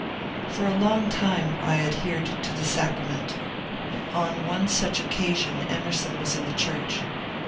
For a long time I adhered to the sacrament. On one such occasion Emerson was in the church.